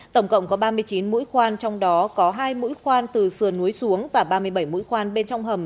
tổng cộng có ba mươi chín mũi khoan trong đó có hai mũi khoan từ sườn núi xuống và ba mươi bảy mũi khoan bên trong hầm